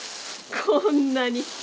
こんなに！